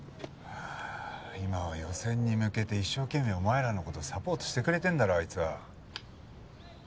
今は予選に向けて一生懸命お前らの事サポートしてくれてんだろあいつは。